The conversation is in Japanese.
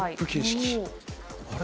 あれ？